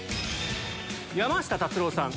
山下達郎さん